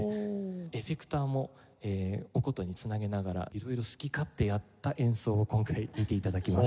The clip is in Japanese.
エフェクターもお箏に繋げながら色々好き勝手やった演奏を今回見て頂きます。